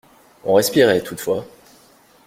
On respirait, toutefois.